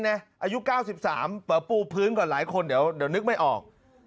อายุ๙๓เปิดปูพื้นก่อนหลายคนเดี๋ยวนึกไม่ออก